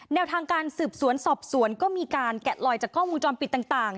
แนวทางการสืบสวนสอบสวนก็มีการแกะลอยจากกล้องวงจรปิดต่าง